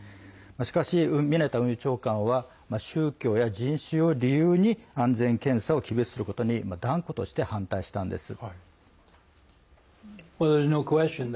しかし、ミネタ運輸長官は宗教や人種を理由に安全検査を厳しくすることに断固として反対したんです。